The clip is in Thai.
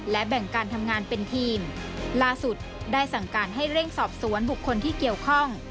และแบ่งการทำงานเป็นทีมล่าสุดได้สั่งการให้เร่งสอบสวนบุคคลที่เกี่ยวข้อง